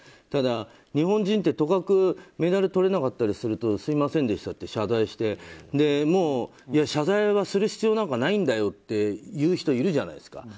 ただ、日本人って、とかくメダルとれなかったりするとすみませんでしたって謝罪して謝罪はする必要なんかないんだよって言う人いるじゃないですか。